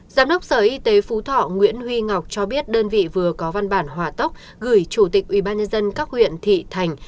giám đốc sở y tế phú thọ nguyễn huy ngọc cho biết đơn vị vừa có văn bản hòa tốc gửi chủ tịch ubnd các huyện thị thành